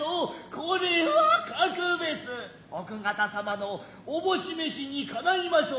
これは格別奥方様の思召しにかなひませう。